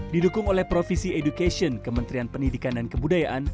didukung oleh provisi education kementerian pendidikan dan kebudayaan